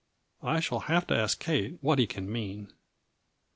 T shall have to ask Kate what he can mean.